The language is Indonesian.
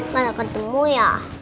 nggak ketemu ya